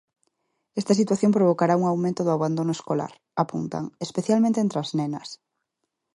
Esta situación provocará un aumento do abandono escolar, apuntan, especialmente entre as nenas.